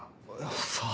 さあ。